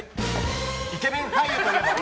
イケメン俳優といえば？